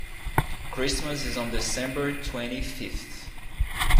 Christmas is on December twenty-fifth.